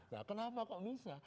ya kenapa kok bisa